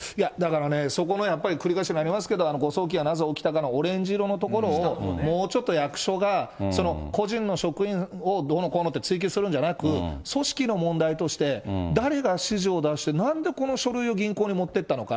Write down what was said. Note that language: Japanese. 原則は会計のほうなんですけど、そういう臨時給付金の部署かここは別に動かなくてもよかいやだからね、そこがやっぱり繰り返しになりますけど、誤送金はなぜ起きたのかのオレンジ色のところを、もうちょっと役所が、個人の職員をどうのこうのって追及するんじゃなく、組織の問題として、誰が指示を出して、なんでこの書類を銀行に持っていったのか。